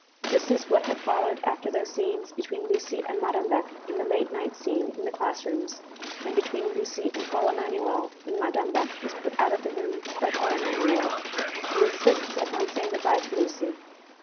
This is what had followed after those scenes between Lucy and Madame Beck in the late night scene in the class rooms and between Lucy and Paul Emanuel, when Madame Beck is put out of the room by Paul Emanuel, who insists upon saying good bye to Lucy.